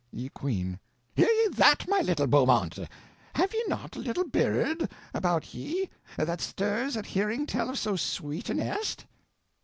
Ye Queene. Hear Ye that, my little Beaumonte? Have ye not a little birde about ye that stirs at hearing tell of so sweete a neste?